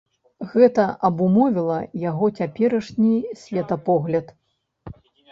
Гэта абумовіла яго цяперашні светапогляд.